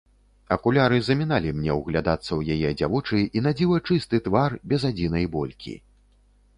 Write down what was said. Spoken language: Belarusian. Акуляры заміналі мне ўглядацца ў яе дзявочы і надзіва чысты твар без адзінай болькі.